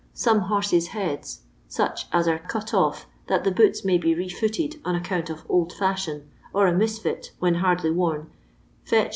Some 'horses' heads' — such as are cut off that the booU may be re footed on account of old fashion, or a misfit, when kirdly worn — fetch 2«.